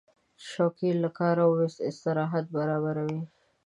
چوکۍ له کار وروسته استراحت برابروي.